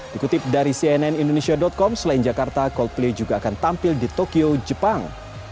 dikutip dari cnn indonesia com selain jakarta coldplay juga akan tampil di tokyo jepang